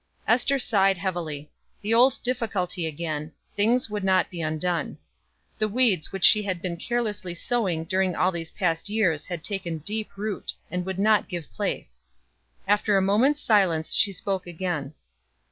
Ester sighed heavily. The old difficulty again things would not be undone. The weeds which she had been carelessly sowing during all these past years had taken deep root, and would not give place. After a moment's silence she spoke again.